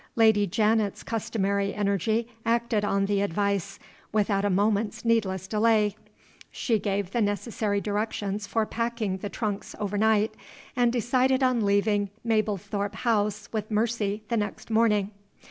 Lady Janet's customary energy acted on the advice, without a moment's needless delay. She gave the necessary directions for packing the trunks overnight, and decided on leaving Mablethorpe House with Mercy the next morning.